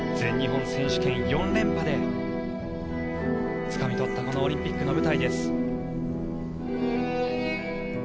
全日本選手権、４連覇でつかみ取ったこのオリンピックの舞台です。